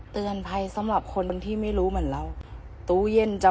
เตือนภัยสำหรับคนบางที่ไม่รู้เหมือนเราตู้เย็นจะ